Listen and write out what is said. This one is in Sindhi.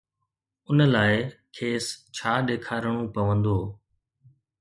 ان لاءِ کيس ڇا ڏيکارڻو پوندو؟